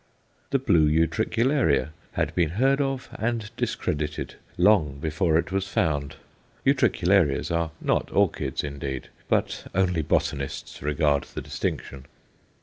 The blue Utricularia had been heard of and discredited long before it was found Utricularias are not orchids indeed, but only botanists regard the distinction.